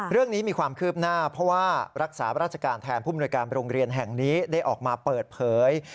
เรื่องนี้มีความคืบหน้าเพราะว่ารักษาราชการแทนผู้มนวยการโรงเรียนแห่งนี้ได้ออกมาเปิดเผย